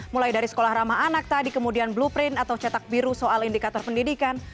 mulai dari sekolah ramah anak tadi kemudian blueprint atau cetak biru soal indikator pendidikan